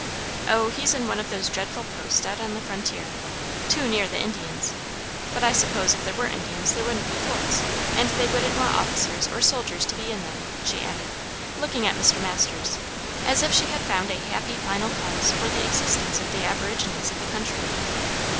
"O, he's in one of those dreadful posts out on the frontier; too near the Indians; but I suppose if there weren't Indians there wouldn't be forts, and they wouldn't want officers or soldiers to be in them," she added, looking at Mr. Masters, as if she had found a happy final cause for the existence of the aborigines of the country.